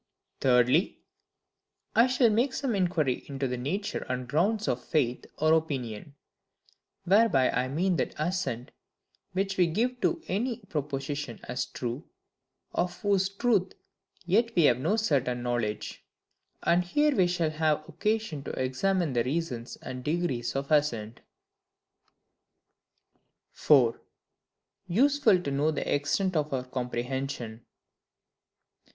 Thirdly, I shall make some inquiry into the nature and grounds of FAITH or OPINION: whereby I mean that assent which we give to any proposition as true, of whose truth yet we have no certain knowledge. And here we shall have occasion to examine the reasons and degrees of ASSENT. 4. Useful to know the Extent of our Comprehension.